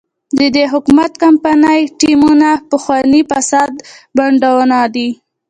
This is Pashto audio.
د دې حکومت کمپایني ټیمونه پخواني فاسد بانډونه دي.